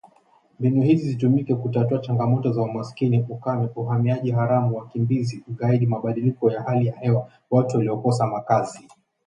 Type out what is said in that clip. Mbinu hizi zitumike kutatua changamoto za umaskini, ukame, uhamiaji haramu, wakimbizi, ugaidi, mabadiliko ya hali ya hewa, watu waliokosa makazi